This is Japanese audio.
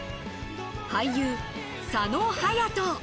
俳優・佐野勇斗。